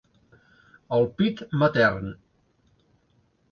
El pit matern.